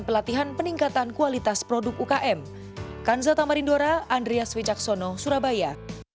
pelatihan peningkatan kualitas produk ukm kanjata marindora andreas wijaksono surabaya